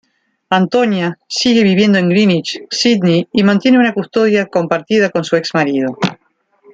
Antonia sigue viviendo en Greenwich, Sídney, y mantiene una custodia compartida con su ex-marido.